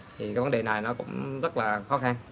thì cái vấn đề này nó cũng rất là khó khăn